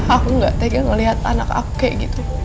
aku gak tega ngeliat anak aku kayak gitu